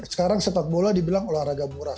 sekarang sepak bola dibilang olahraga murah